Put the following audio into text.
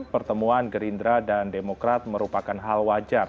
pertemuan gerindra dan demokrat merupakan hal wajar